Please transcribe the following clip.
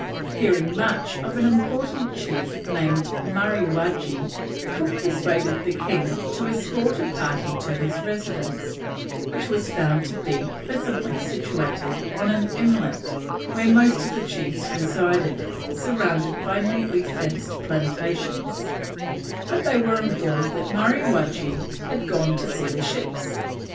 Hearing much of an important chief named Mariwaggee, Cook persuaded the king to escort a party to his residence, which was found to be pleasantly situated on an inlet where most of the chiefs resided, surrounded by neatly fenced plantations; but they were informed that Mariwaggee had gone to see the ships.